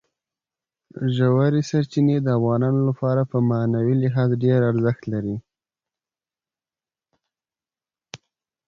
ژورې سرچینې د افغانانو لپاره په معنوي لحاظ ډېر زیات ارزښت لري.